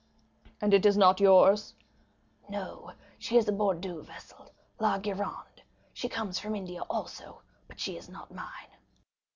"And it is not yours?" "No, she is a Bordeaux vessel, La Gironde; she comes from India also; but she is not mine."